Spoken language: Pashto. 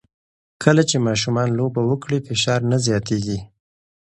کله چې ماشومان لوبه وکړي، فشار نه زیاتېږي.